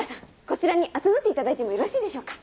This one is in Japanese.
こちらに集まっていただいてもよろしいでしょうか。